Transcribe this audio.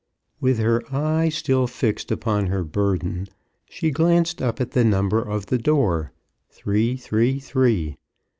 With her eye still fixed upon her burden, she glanced up at the number of the door — 333.